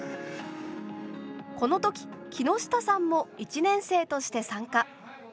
この時木下さんも１年生として参加。